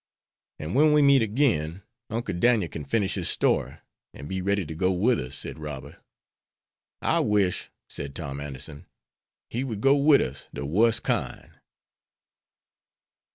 "An' when we meet again, Uncle Daniel can finish his story, an' be ready to go with us," said Robert. "I wish," said Tom Anderson, "he would go wid us, de wuss kind."